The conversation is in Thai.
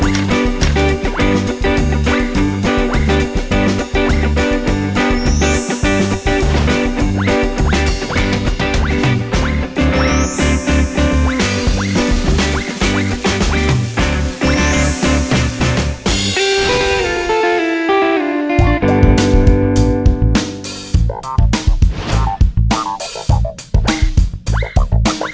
วิ่ง